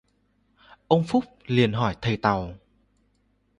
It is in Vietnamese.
Ông Phúc liền hỏi thầy Tàu